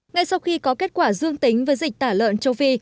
ngay sau khi có kết quả dương tính với dịch tả lợn châu phi